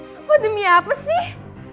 sumpah demi apa sih